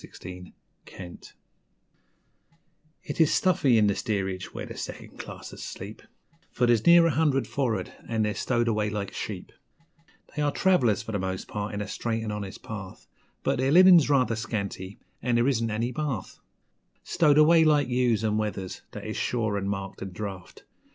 'For'ard' It is stuffy in the steerage where the second classers sleep, For there's near a hundred for'ard, and they're stowed away like sheep, They are trav'lers for the most part in a straight 'n' honest path; But their linen's rather scanty, an' there isn't any bath Stowed away like ewes and wethers that is shore 'n' marked 'n' draft.